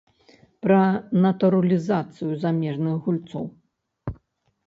Пра натуралізацыю замежных гульцоў.